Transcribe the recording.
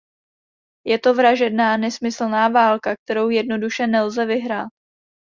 Je to vražedná, nesmyslná válka, kterou jednoduše nelze vyhrát.